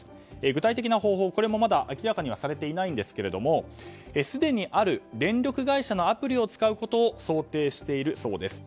具体的な方法はまだ明らかにされていませんがすでにある電力会社のアプリを使うことを想定しているそうです。